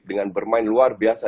dengan bermain luar biasa